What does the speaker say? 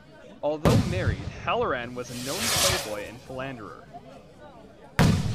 Although married, Halloran was a known playboy and philanderer.